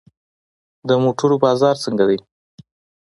د موټرو بازار څنګه دی؟